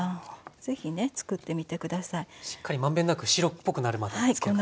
しっかり満遍なく白っぽくなるまでつけますね。